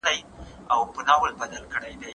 ښه دوست تل ريښتيا ساتي